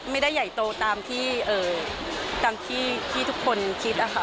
ไม่ได้ใหญ่โตตามที่ทุกคนคิดนะฮะ